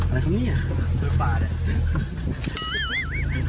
มันคือป่าเนี่ย